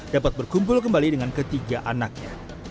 dapat berkumpul kembali dengan ketiga anaknya